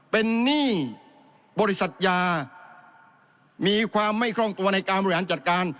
เป็นหนี้บริษัทยามีความไม่คล่องตัวในการบริหารจัดการ